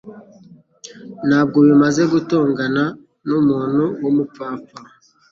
Ntabwo bimaze gutongana numuntu wumupfapfa.